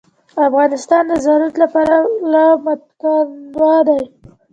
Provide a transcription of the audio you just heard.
افغانستان د زمرد له پلوه متنوع دی.